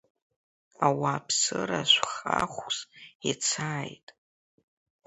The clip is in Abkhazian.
Ауааԥсыра шәхахәс ицааит.